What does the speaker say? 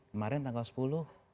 kemarin tanggal sepuluh